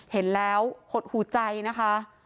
เห็นแล้วหดหูใจนะคะ